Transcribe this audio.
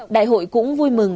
đại hội cũng vui mừng